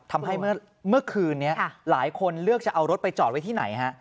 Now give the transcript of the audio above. ทำให้เมื่อคืนนี้หลายคนเลือกจะเอารถไปจอดไว้ที่ไหนฮะ